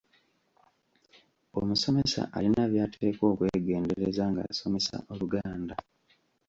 Omusomesa alina by’ateekwa okwegendereza ng’asomesa Oluganda.